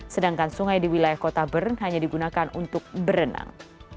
sedangkan sungai di wilayah kota bern hanya digunakan untuk berenang